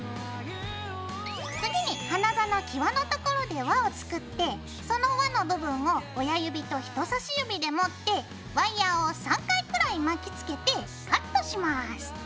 次に花座のきわのところで輪を作ってその輪の部分を親指と人さし指で持ってワイヤーを３回くらい巻きつけてカットします。